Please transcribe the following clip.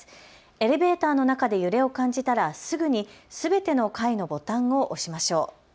エレベーターの中で揺れを感じたら、すぐにすべての階のボタンを押しましょう。